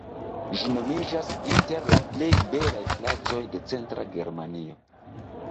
Ĝi nomiĝas inter la plej belaj placoj de Centra Germanio.